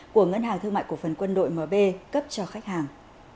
của ngân hàng thương mại cổ phần quân đội mb cấp cho khách hàng